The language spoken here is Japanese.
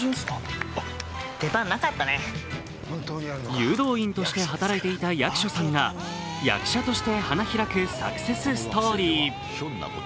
誘導員として働いていた役所さんが、役者として花開くサクセスストーリー。